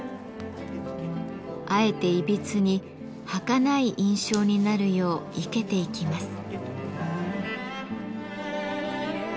あえていびつにはかない印象になるよう生けていきます。